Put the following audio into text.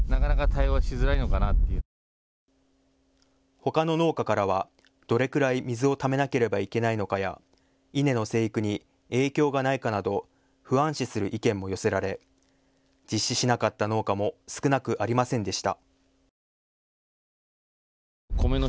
ほかの農家からは、どれぐらい水をためなければいけないのかや稲の生育に影響がないかなど不安視する意見も寄せられ実施しなかった農家も少なくありませんでした。